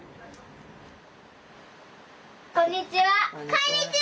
こんにちは。